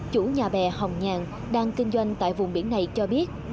chủ nhà bè hồng nhàng đang kinh doanh tại vùng biển này cho biết